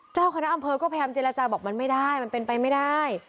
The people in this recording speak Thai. เจ้าคณะอำเภอก็พยายามเจรจาบอกมันไม่ได้มันเป็นไปไม่ได้